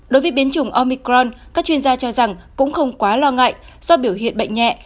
đối với biến chủng omicron các chuyên gia cho rằng cũng không quá lo ngại do biểu hiện bệnh nhẹ